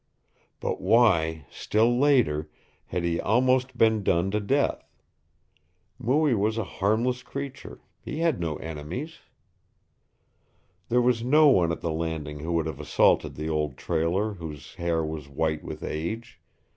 But why, still later, had he almost been done to death? Mooie was a harmless creature. He had no enemies. There was no one at the Landing who would have assaulted the old trailer, whose hair was white with age.